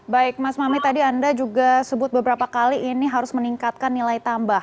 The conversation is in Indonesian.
baik mas mami tadi anda juga sebut beberapa kali ini harus meningkatkan nilai tambah